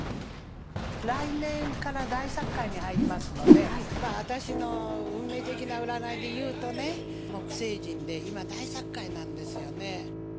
来年から大殺界に入りますので、私の運命的な占いで言うとね、木星人で今、大殺界なんですよね。